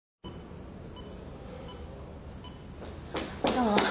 どう？